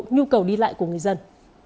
nhu cầu đi lại của người dân